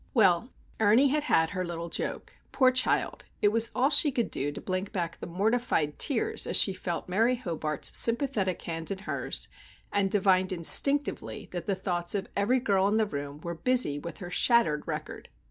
Well, Ernie had had her little joke. Poor child! it was all she could do to blink back the mortified tears as she felt Mary Hobart's sympathetic hand in hers, and divined instinctively that the thoughts of every girl in the room were busy with her shattered record.